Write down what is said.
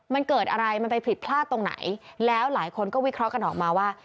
มันเกิดอะไรมันไปผิดพลาดตรงไหนแล้วหลายคนก็วิเคราะห์กันออกมาว่า